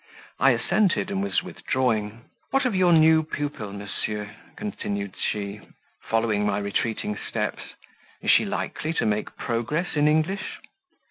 I assented and was withdrawing. "What of your new pupil, monsieur?" continued she, following my retreating steps. "Is she likely to make progress in English?"